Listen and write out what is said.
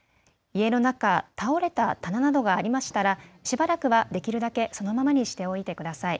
家の中、倒れた棚などがありましたらしばらくはできるだけそのままにしておいてください。